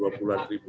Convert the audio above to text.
nah itu suatu kredisi